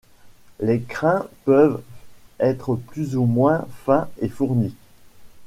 Les crins peuvent être plus ou moins fins ou fournis.